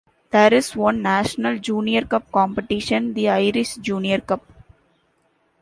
There is one national junior cup competition: the Irish Junior Cup.